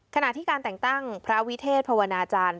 ขณะที่การแต่งตั้งพระวิเทศภาวนาจารย์